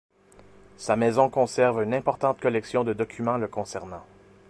Sa maison conserve une importante collection de documents le concernant.